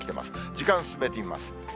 時間進めてみます。